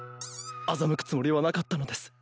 欺くつもりはなかったのです。